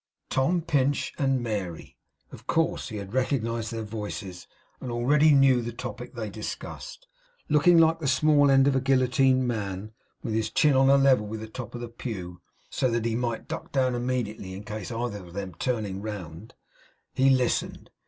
Tom Pinch and Mary. Of course. He had recognized their voices, and already knew the topic they discussed. Looking like the small end of a guillotined man, with his chin on a level with the top of the pew, so that he might duck down immediately in case of either of them turning round, he listened.